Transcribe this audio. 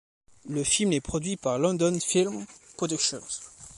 Le film est produit par London Film Productions.